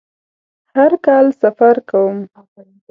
هر کال سفر کوم